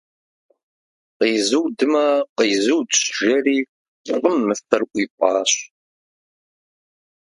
- Къизудмэ, къизудщ, - жери лӀым мыщэр ӀуипӀащ.